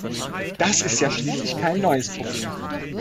Das ist ja schließlich kein neues Problem.